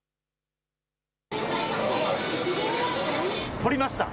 取りました。